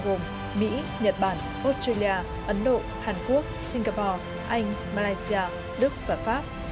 gồm mỹ nhật bản australia ấn độ hàn quốc singapore anh malaysia đức và pháp